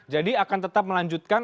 jadi akan tetap melanjutkan